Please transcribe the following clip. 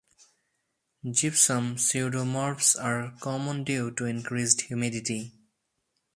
Gypsum pseudomorphs are common due to increased humidity.